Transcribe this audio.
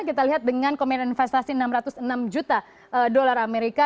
kita lihat dengan komitmen investasi enam ratus enam juta dolar amerika